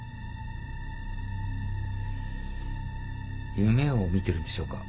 夢を見てるんでしょうか。